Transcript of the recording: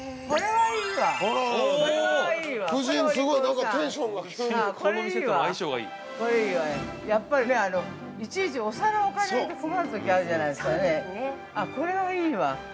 これはいいわ。